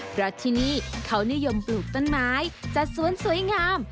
เพราะที่นี่เขานิยมปลูกต้นไม้จัดสวนสวยงาม